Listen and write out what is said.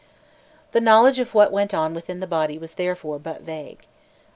The knowledge of what went on within the body was therefore but vague.